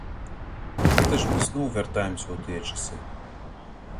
Гэта ж мы зноў вяртаемся ў тыя часы!